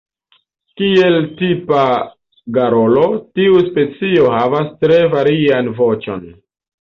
Kiel tipa garolo, tiu specio havas tre varian voĉon.